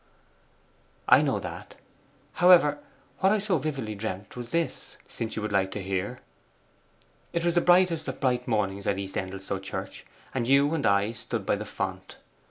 'I know that. However, what I so vividly dreamt was this, since you would like to hear. It was the brightest of bright mornings at East Endelstow Church, and you and I stood by the font.